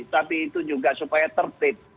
tapi itu juga supaya tertib